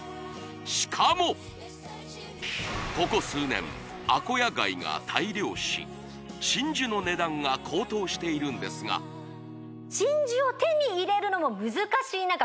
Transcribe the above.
しかもここ数年真珠の値段が高騰しているんですが真珠を手に入れるのも難しい中